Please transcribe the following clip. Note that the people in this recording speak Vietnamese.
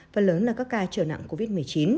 phần lớn là các ca trở nặng covid một mươi chín